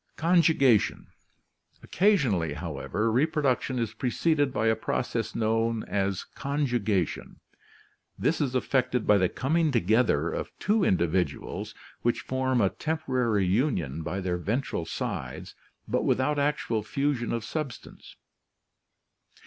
Conjugation. — Occasionally, however, reproduction is preceded by a process known as conjugation. This is effected by the coming together of two individuals which form a temporary union by their ventral sides but without actual fusion of substance.